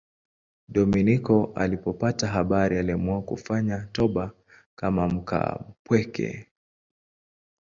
Dominiko alipopata habari aliamua kufanya toba kama mkaapweke.